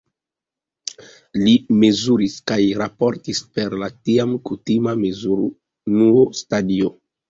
Li mezuris kaj raportis per la tiam kutima mezurunuo "stadio".